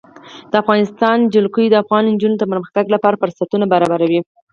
د افغانستان جلکو د افغان نجونو د پرمختګ لپاره فرصتونه برابروي.